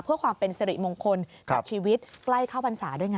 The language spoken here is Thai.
เพื่อความเป็นสิริมงคลกับชีวิตใกล้เข้าพรรษาด้วยไง